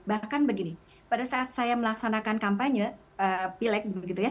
bahkan begini pada saat saya melaksanakan kampanye pilek